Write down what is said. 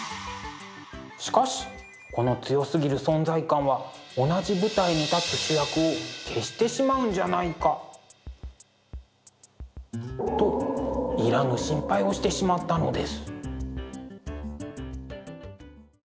しかしこの強すぎる存在感は同じ舞台に立つ主役を消してしまうんじゃないか。といらぬ心配をしてしまったのです。